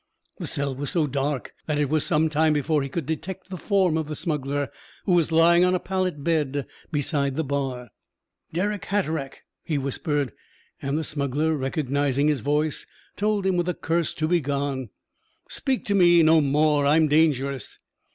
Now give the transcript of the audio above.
The cell was so dark that it was some time before he could detect the form of the smuggler, who was lying on a pallet bed beside the bar. "Dirck Hatteraick," he whispered. And the smuggler, recognising his voice, told him with a curse to begone. "Speak to me no more. I'm dangerous."